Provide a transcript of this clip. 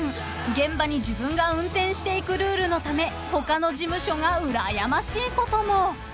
［現場に自分が運転していくルールのため他の事務所がうらやましいことも］